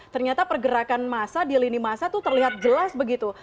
ternyata pergerakan massa di lini masa itu terlihat jelas begitu